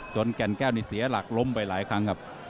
แก่นแก้วนี่เสียหลักล้มไปหลายครั้งครับ